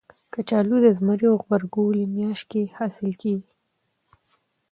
کچالو د زمري او غبرګولي میاشت کې حاصل کېږي